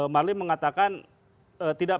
marlim mengatakan tidak